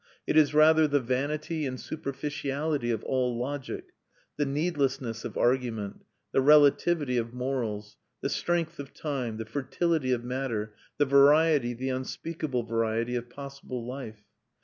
It is rather the vanity and superficiality of all logic, the needlessness of argument, the relativity of morals, the strength of time, the fertility of matter, the variety, the unspeakable variety, of possible life.